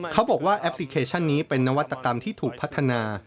แอปพลิเคชันนี้เป็นนวัตกรรมที่ถูกพัฒนา